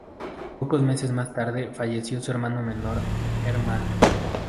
Pocos meses más tarde falleció su hermano menor Hermann.